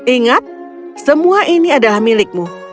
ingat semua ini adalah milikmu